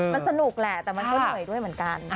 มันสนุกแหละแต่มันก็เหนื่อยด้วยเหมือนกัน